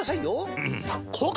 うん！